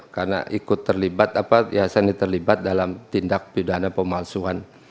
karena ikut terlibat ya saya ini terlibat dalam tindak pidana pemalsuan